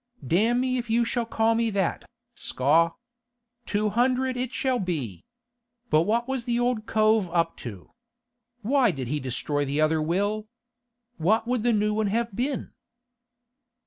'Damn me if you shall call me that, Scaw! Two hundred it shall be. But what was the old cove up to? Why did he destroy the other will? What would the new one have been?